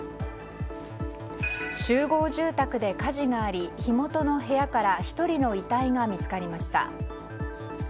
集合住宅で火事があり火元の部屋から１人の遺体が見つかりました。